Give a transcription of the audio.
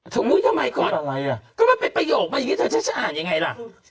ทำไมก่อนก็ว่าเป็นประโยคมาอย่างงี้จะอ่านยังไงล่ะ